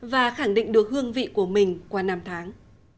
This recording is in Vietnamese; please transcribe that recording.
và khẳng định được hương vị của mình qua năm tháng